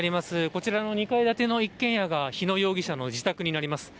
こちらの２階建ての一軒家が日野容疑者の自宅になります。